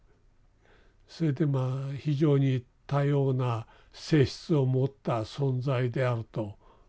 それでまあ非常に多様な性質を持った存在であると。